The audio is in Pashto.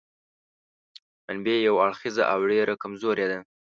منبع یو اړخیزه او ډېره کمزورې ده.